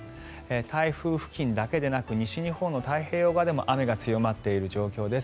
台風付近だけでなく西日本の太平洋側でも雨が強まっている状況です。